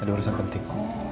ada urusan penting